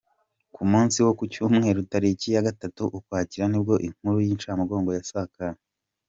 Ku munsi wo ku cyumweru tariki ya gatatu Ukwakira nibwo inkuru y’incamugongo yasakaye.